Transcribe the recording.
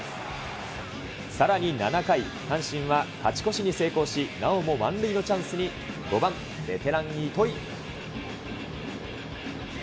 さらに７回、阪神は勝ち越しに成功し、なおも満塁のチャンスに、５番、ベテラン、糸井。